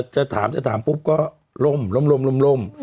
จะถามปุ๊บก็ลมล่มล่ม